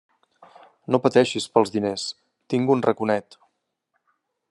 No pateixis pels diners, tinc un raconet.